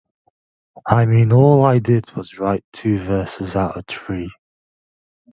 I mean, all I did was write two verses out of three.